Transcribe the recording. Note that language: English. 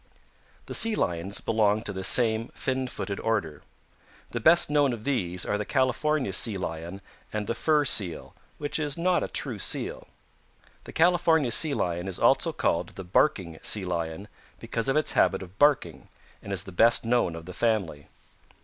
"The Sea Lions belong to this same fin footed order. The best known of these are the California Sea Lion and the Fur Seal, which is not a true Seal. The California Sea Lion is also called the Barking Sea Lion because of its habit of barking, and is the best known of the family.